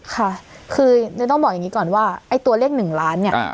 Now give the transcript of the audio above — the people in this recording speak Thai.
ค่ะคือจะต้องบอกอย่างงี้ก่อนว่าไอ้ตัวเรียกหนึ่งล้านเนี่ยอ่า